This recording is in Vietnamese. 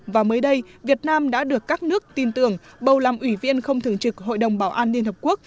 và mới đây việt nam đã được các nước tin tưởng bầu làm ủy viên không thường trực hội đồng bảo an liên hợp quốc